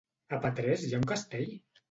A Petrés hi ha un castell?